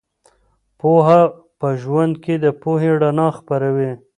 پوهه په ژوند کې د پوهې رڼا خپروي.